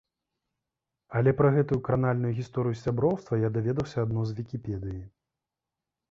Але пра гэту кранальную гісторыю сяброўства я даведваюся адно з вікіпедыі.